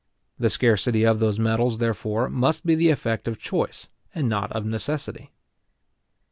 The scarcity of those metals, therefore, must be the effect of choice, and not of necessity.